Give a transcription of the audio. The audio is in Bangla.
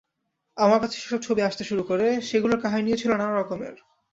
আমার কাছে যেসব ছবি আসতে শুরু করে, সেগুলোর কাহিনিও ছিল নানা রকমের।